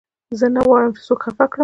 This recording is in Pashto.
زه نه غواړم، چي څوک خفه کړم.